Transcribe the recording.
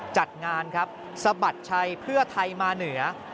จัดงานครับสะบัดชัยเพื่อไทยมาเหนือ